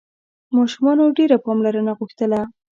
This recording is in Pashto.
ماشومانو ډېره پاملرنه غوښتله.